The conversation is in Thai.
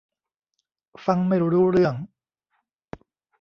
ฟังไม่รู้เรื่อง